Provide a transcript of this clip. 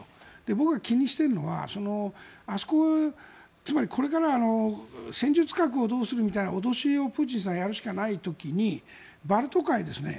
僕が気にしているのはつまりこれから戦術核をどうするみたいな脅しを、プーチンさんはやるしかない時にバルト海ですね